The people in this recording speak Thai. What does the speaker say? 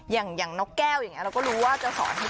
อย่างนกแก้วอย่างนี้เราก็รู้ว่าจะสอนให้